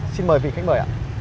xin mời vị khách mời ạ